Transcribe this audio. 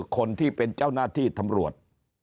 คนที่เป็นเจ้าหน้าที่ตำรวจ